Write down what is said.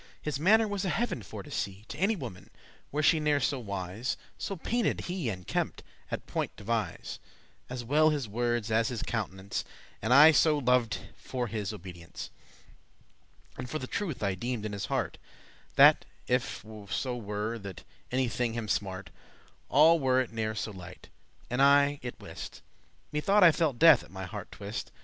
His manner was a heaven for to see To any woman, were she ne'er so wise; So painted he and kempt,* *at point devise,* *combed, studied As well his wordes as his countenance. *with perfect precision* And I so lov'd him for his obeisance, And for the truth I deemed in his heart, That, if so were that any thing him smart,* *pained All were it ne'er so lite,* and I it wist, *little Methought I felt death at my hearte twist.